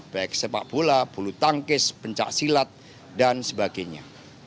baik sepak bola bulu tangkis pencak silat dan sebagainya